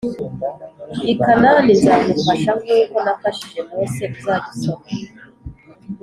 I kanani nzagufasha nk uko nafashije mose uzajye usoma